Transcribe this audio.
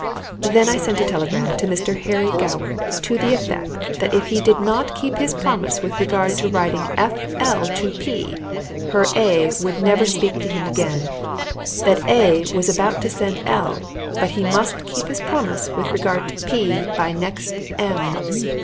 Then I sent a telegram to Mr. Harry Goward to the effect that if he did not keep his promise with regard to writing F. L. to P. her A. would never speak to him again; that A. was about to send L., but he must keep his promise with regard to P. by next M.